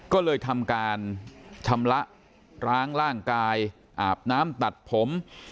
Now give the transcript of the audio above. ก็เลยทำการชำระล้างร่างกายอาบน้ำตัดผม